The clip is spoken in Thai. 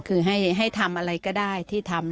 คือให้ทำอะไรก็ได้ที่ทำ